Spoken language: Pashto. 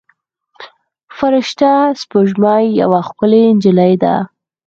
فرشته سپوږمۍ یوه ښکلې نجلۍ ده.